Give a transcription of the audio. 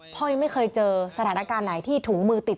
ยังไม่เคยเจอสถานการณ์ไหนที่ถุงมือติด